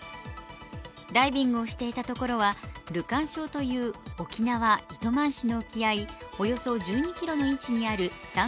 ダイビングをしていたところはルカン礁という沖縄・糸満市の沖合およそ１２ｋｍの位置にあるさん